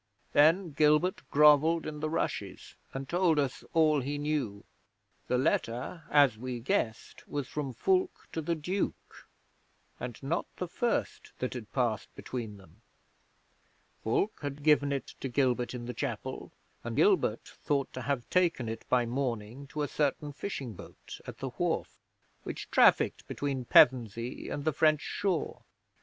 Then Gilbert grovelled in the rushes, and told us all he knew. The letter, as we guessed, was from Fulke to the Duke (and not the first that had passed between them); Fulke had given it to Gilbert in the chapel, and Gilbert thought to have taken it by morning to a certain fishing boat at the wharf, which trafficked between Pevensey and the French shore.